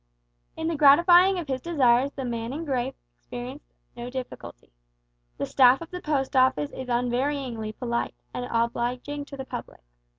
In the gratifying of his desires the man in grey experienced no difficulty. The staff of the Post Office is unvaryingly polite and obliging to the public.